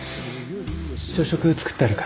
朝食作ってあるから。